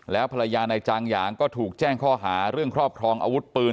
แล้วภรรยาในจางหยางก็ถูกแจ้งข้อหาเรื่องครอบครองอาวุธปืน